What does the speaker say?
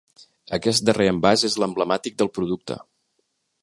Aquest darrer envàs és l'emblemàtic del producte.